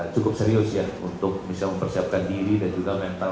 cukup serius ya untuk bisa mempersiapkan diri dan juga mental